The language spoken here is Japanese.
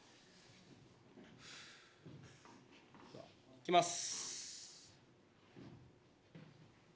いきます。